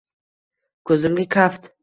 Ko‘zimga kaft